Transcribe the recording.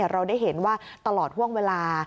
เราได้เห็นว่าตลอดห่วงเวลา